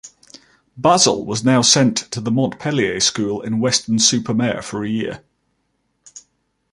Basil was now sent to the Montpellier School in Weston-super-Mare for a year.